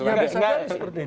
ya bisa jadi seperti itu